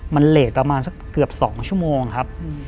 มันเหลดประมาณสักเกือบ๒ชั่วโมงครับ